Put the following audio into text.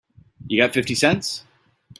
You got fifty cents?